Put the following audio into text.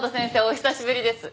お久しぶりです。